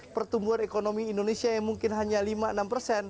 pertumbuhan ekonomi indonesia yang mungkin hanya lima enam persen